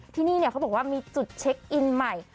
ที่นี่เขาบอกว่ามีจุดเช็คอินใหม่